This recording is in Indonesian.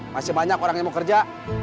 masih banyak orang yang mau kerja